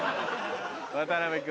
渡辺君。